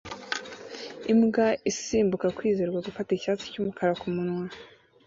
Imbwa isimbuka kwizerwa gufata icyatsi n'umukara kumunwa